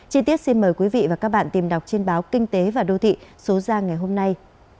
chi tiết xin mời quý vị và các bạn tìm đọc trên báo kinh tế và đô thị số ra ngày hôm nay